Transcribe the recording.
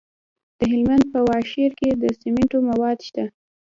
د هلمند په واشیر کې د سمنټو مواد شته.